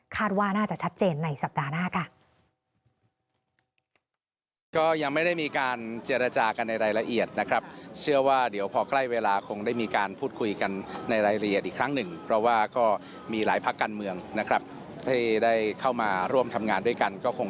ว่าน่าจะชัดเจนในสัปดาห์หน้าค่ะ